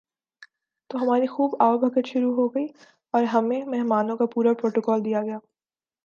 تو ہماری خوب آؤ بھگت شروع ہو گئی اور ہمیں مہمانوں کا پورا پروٹوکول دیا گیا ۔